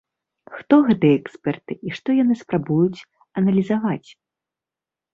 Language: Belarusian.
Хто гэтыя эксперты і што яны спрабуюць аналізаваць?